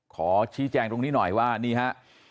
ขอชี้แจงตรงนี้หน่อยว่านี่ฮะ